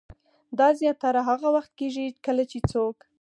دا زياتره هاغه وخت کيږي کله چې څوک